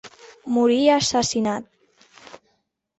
Morí assassinat.